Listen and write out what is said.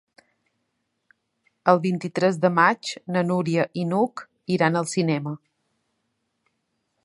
El vint-i-tres de maig na Núria i n'Hug iran al cinema.